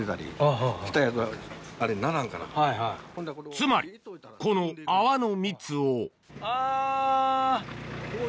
つまりこの泡の蜜をあぁ！